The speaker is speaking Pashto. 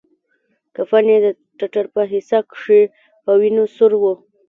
کفن يې د ټټر په حصه کښې په وينو سور و.